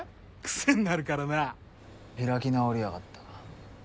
癖になるからな開き直りやがった。